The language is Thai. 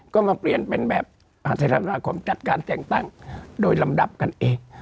ก็มาเปลี่ยนเป็นแบบมหาเทราสมาคมจัดการแต่งตั้งโดยลำดับกันเอง